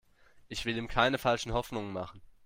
Ich will ihm keine falschen Hoffnungen machen.